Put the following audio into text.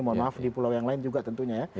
mohon maaf di pulau yang lain juga tentunya ya